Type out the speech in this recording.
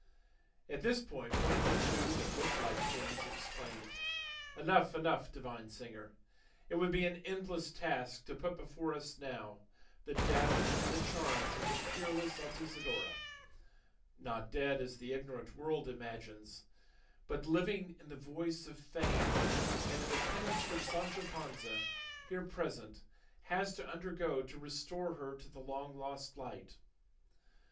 At this point one of the two that looked like kings exclaimed, "Enough, enough, divine singer! It would be an endless task to put before us now the death and the charms of the peerless Altisidora, not dead as the ignorant world imagines, but living in the voice of fame and in the penance which Sancho Panza, here present, has to undergo to restore her to the long lost light.